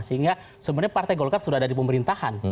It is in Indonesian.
sehingga sebenarnya partai golkar sudah ada di pemerintahan